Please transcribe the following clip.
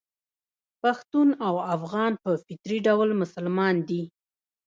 پښتون او افغان په فطري ډول مسلمان دي.